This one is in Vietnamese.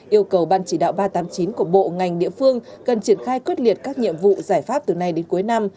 yêu cầu ban chỉ đạo ba trăm tám mươi chín của bộ ngành địa phương cần triển khai quyết liệt các nhiệm vụ giải pháp từ nay đến cuối năm